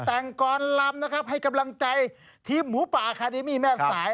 แต่งกรลำนะครับให้กำลังใจทีมหมูป่าอาคาเดมี่แม่สาย